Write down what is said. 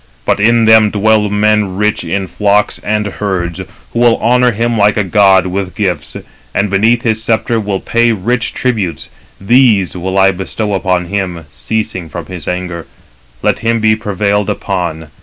But in them dwell men rich in flocks and herds, who will honour him like a god with gifts, and beneath his sceptre will pay rich tributes. These will I bestow upon him, ceasing from his anger. Let him be prevailed upon.